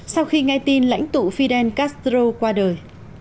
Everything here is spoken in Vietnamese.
sau khi nghe tin lãnh tụ fidel castro qua đời